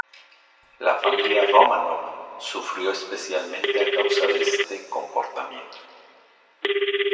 La familia Románov sufrió especialmente a causa de este comportamiento.